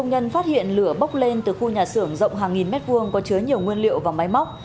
đèn lửa bốc lên từ khu nhà xưởng rộng hàng nghìn mét vuông có chứa nhiều nguyên liệu và máy móc